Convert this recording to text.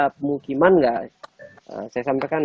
pemukiman gak saya sampaikan